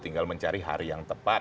tinggal mencari hari yang tepat